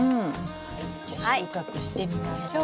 じゃあ収穫してみましょう。